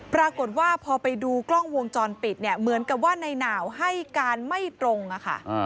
ปรากฏว่าพอไปดูกล้องวงจรปิดเนี่ยเหมือนกับว่าในหนาวให้การไม่ตรงค่ะ